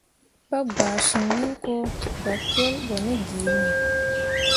Pa gbaa ciŋ hũko, bakyole ɓo ne giini.